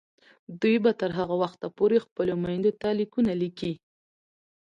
دوی به تر هغه وخته پورې خپلو میندو ته لیکونه لیکي.